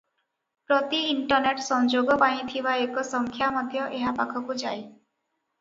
ପ୍ରତି ଇଣ୍ଟରନେଟ ସଂଯୋଗ ପାଇଁ ଥିବା ଏକ ସଂଖ୍ୟା ମଧ୍ୟ ଏହା ପାଖକୁ ଯାଏ ।